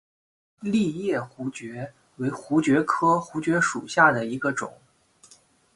栎叶槲蕨为槲蕨科槲蕨属下的一个种。